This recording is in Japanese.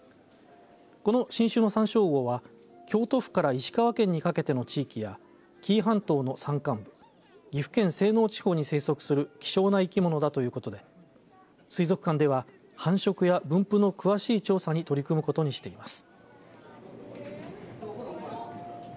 この新種のサンショウウオは京都府から石川県にかけての地域や紀伊半島の山間部岐阜県西濃地方に生息する希少な生き物とだということで水族館では繁殖や分布の詳しい調査に取り込むことにしています。